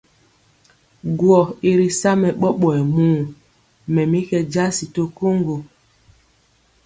Gwɔ̄ i ri sa mɛ ɓɔɓɔyɛ muu, mɛ mi kɛ jasi to koŋgo.